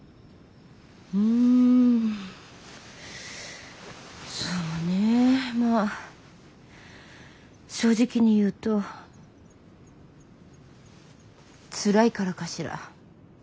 んそうねぇまぁ正直に言うとツラいからかしら。